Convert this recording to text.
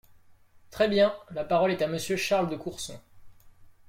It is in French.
Très bien ! La parole est à Monsieur Charles de Courson.